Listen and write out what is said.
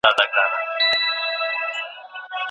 موږ به په ګډه د سواد زده کړې مرکزونه جوړ کړو.